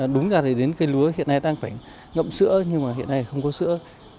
đúng ra thì đến cây lúa hiện nay đang phải ngậm sữa nhưng mà hiện nay không có sữa